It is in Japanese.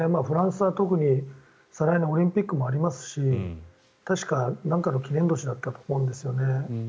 フランスは特に再来年オリンピックもありますし確か何かの記念年だったと思うんですよね。